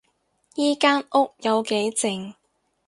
依間屋有幾靜